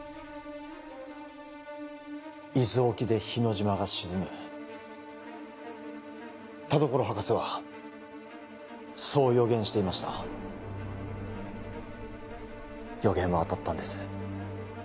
伊豆沖で日之島が沈む田所博士はそう予言していました予言は当たったんです